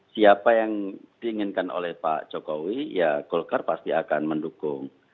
siapa yang diinginkan oleh pak jokowi ya golkar pasti akan mendukung